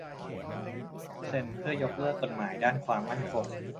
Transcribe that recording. ร่วม "เซ็น" เพื่อยกเลิกกฎหมายด้านความมั่นคง